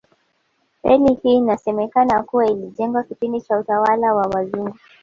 Reli hii inasemekana kuwa ilijengwa kipindi cha utawala wa wazungu